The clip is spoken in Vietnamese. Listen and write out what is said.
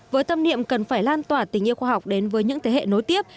với tâm niệm cần phải lan tỏa tình yêu khoa học đến với những thế hệ nối tiếp